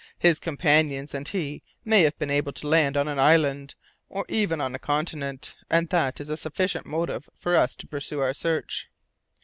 His companions and he may have been able to land on an island, or even on a continent, and that is a sufficient motive for us to pursue our search."